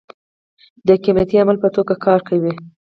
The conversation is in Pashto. د قیمتۍ عامل په توکو کې کار دی.